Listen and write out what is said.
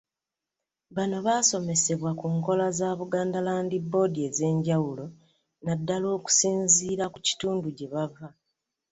Bano basomesebwa ku nkola za Buganda Land Board ez’enjawulo naddala okusinziira ku kitundu gye bava.